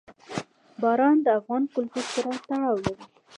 باران د افغان کلتور سره تړاو لري.